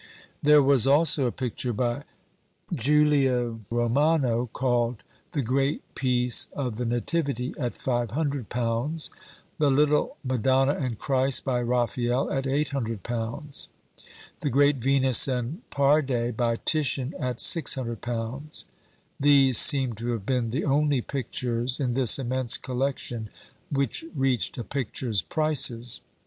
There was also a picture by Julio Romano, called "The great piece of the Nativity," at £500. "The little Madonna and Christ," by Raphael, at £800. "The great Venus and Parde," by Titian, at £600. These seem to have been the only pictures, in this immense collection, which reached a picture's prices.